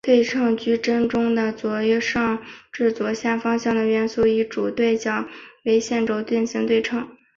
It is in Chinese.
对称矩阵中的右上至左下方向元素以主对角线为轴进行对称。